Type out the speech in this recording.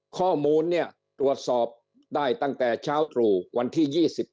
ข้อมูลเนี่ยตรวจสอบได้ตั้งแต่เช้าตรู่วันที่๒๗